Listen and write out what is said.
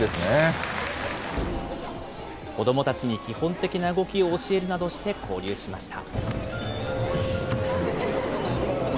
子どもたちに基本的な動きを教えるなどして交流しました。